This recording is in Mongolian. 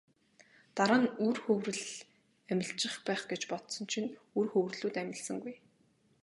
Дараа нь үр хөврөл амилчих байх гэж бодсон чинь үр хөврөлүүд амилсангүй.